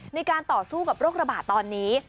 ในการต่อสู้กับโรคระบาดตอนนี้